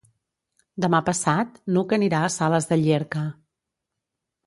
Demà passat n'Hug anirà a Sales de Llierca.